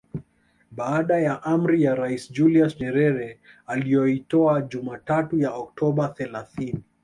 Baada ya amri ya Rais Julius Nyerere aliyoitoa Jumatatu ya Oktoba thelathini